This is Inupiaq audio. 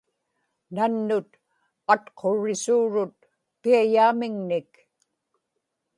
nannut atqurrisuurut piayaamiŋnik